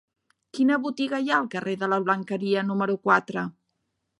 Quina botiga hi ha al carrer de la Blanqueria número quatre?